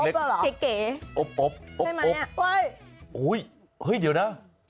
เล็กหรอเก๋โอ๊ยโอ๊ยเฮ้ยเดี๋ยวนะ